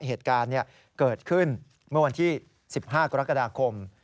เหตุการณ์เกิดขึ้นเมื่อวันที่๑๕กรกฎาคม